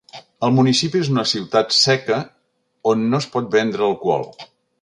El municipi és una ciutat "seca" on no es pot vendre alcohol.